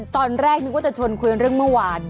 ตอนแรกนึกว่าจะชวนคุยเรื่องเมื่อวาน